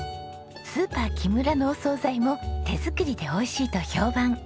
スーパーキムラのお総菜も手作りで美味しいと評判。